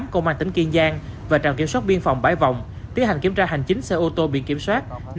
công an tỉnh kiên giang và trạm kiểm soát biên phòng bãi vòng tiến hành kiểm tra hành chính xe ô tô biển kiểm soát